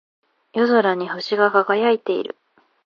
星が夜空に輝いている。